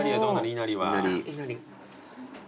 いなりは。